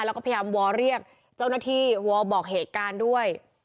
แล้วก็พยายามวอเรียกเจ้าหน้าที่วอลบอกเหตุการณ์ด้วย